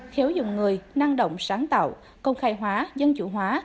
thiếu dùng người năng động sáng tạo công khai hóa dân chủ hóa